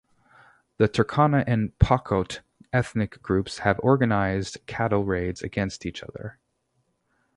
The Turkana and Pokot ethnic groups have organized cattle raids against each other.